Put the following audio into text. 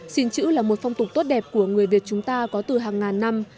xin chữ là một phong tục tốt đẹp của người việt chúng ta có từ hàng ngàn năm